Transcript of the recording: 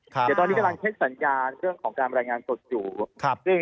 เดี๋ยวตอนนี้กำลังเช็คสัญญาณเรื่องของการรายงานสดอยู่